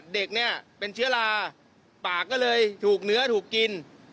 เด็กเนี่ยเป็นเชื้อราปากก็เลยถูกเนื้อถูกกิน